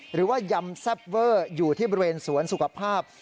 ยำแซ่บเวอร์อยู่ที่บริเวณสวนสุขภาพ